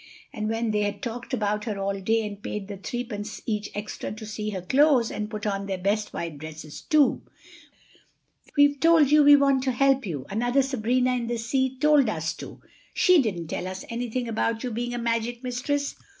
And when they had talked about her all day and paid the threepence each extra to see her close, and put on their best white dresses too. "We've told you—we want to help you. Another Sabrina in the sea told us to. She didn't tell us anything about you being a magic mistress.